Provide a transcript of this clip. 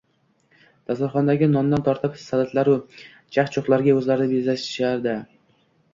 Dasturxondagi nondan tortib, salatlar-u, chaq-chuqlargacha o`zlari bezatishadi